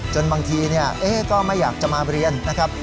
จนบางทีเนี่ยเอ๊ก็ไม่อยากจะมาเรียนนะครับ